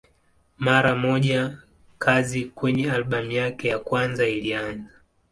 Mara moja kazi kwenye albamu yake ya kwanza ilianza.